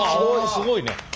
すごいね！